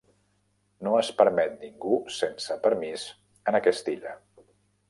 No es permet ningú sense permís en aquesta illa.